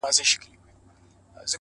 o سیاه پوسي ده؛ خُم چپه پروت دی؛